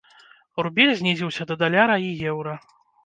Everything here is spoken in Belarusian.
Рубель знізіўся да даляра і еўра.